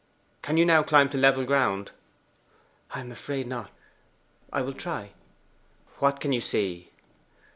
'Can you now climb on to level ground?' 'I am afraid not. I will try.' 'What can you see?